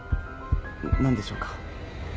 何でしょうか？